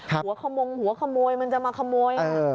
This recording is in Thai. หัวขมงหัวขโมยมันจะมาขโมย